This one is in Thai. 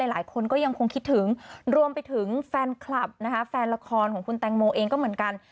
หลายคนก็ยังคงคิดถึงรวมไปถึงแฟนคลับนะคะแฟนละครของคุณแตงโมเองก็เหมือนกัน